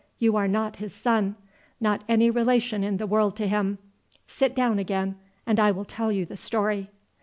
"You are not his son. Not any relation in the world to him. Sit down again and I will tell you the story."